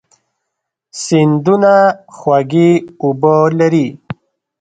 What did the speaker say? سیندونه خوږې اوبه لري.